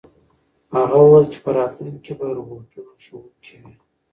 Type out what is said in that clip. هغه وویل چې په راتلونکي کې به روبوټونه ښوونکي وي.